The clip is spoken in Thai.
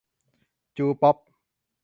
จูป๊อป